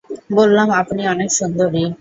বললাম আপনি অনেক সুন্দরী।